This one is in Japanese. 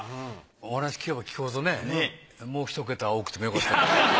お話聞けば聞くほどねもう一桁多くてもよかったなと。